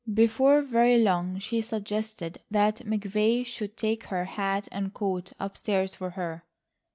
Before very long she suggested that McVay should take her hat and coat upstairs for her.